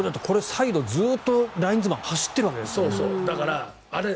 サイド、ずっとずっとラインズマン走っているわけですからね。